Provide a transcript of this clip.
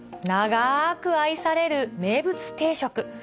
長ーく愛される名物定食。